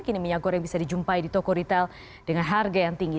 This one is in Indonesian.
kini minyak goreng bisa dijumpai di toko ritel dengan harga yang tinggi